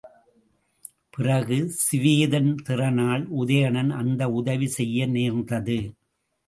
பிறகு சிவேதன் திறனால் உதயணன் அந்த உதவி செய்ய நேர்ந்தது.